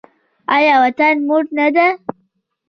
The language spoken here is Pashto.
آیا وطن مور نه ده؟